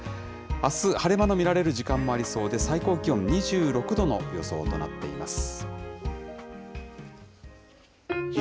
あす晴れ間の見られる時間帯もありそうで、最高気温２６度の予想となっています。